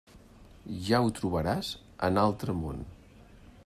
Ja ho trobaràs en l'altre món.